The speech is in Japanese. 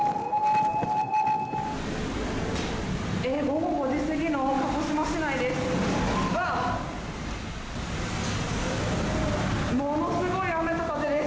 午後５時過ぎの鹿児島市内です。